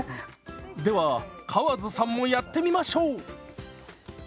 では川津さんもやってみましょう！